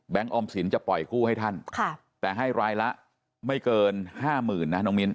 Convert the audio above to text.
ออมสินจะปล่อยกู้ให้ท่านแต่ให้รายละไม่เกินห้าหมื่นนะน้องมิ้น